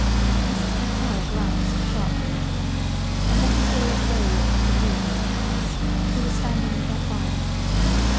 Mr. Pertell glanced sharply at her, and then his gaze roved to Ruth and Alice, who were standing with their father.